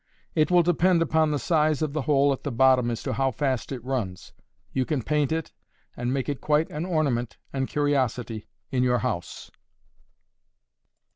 It will depend upon the size of the hole at the bottom as to how fast it runs. You can paint it, and make it quite an ornament and curiosity in your house.